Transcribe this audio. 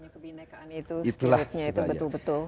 kebinekaan itu spiritnya itu betul betul